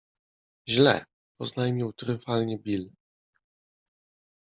- Źle. - Oznajmił triumfalnie Bill.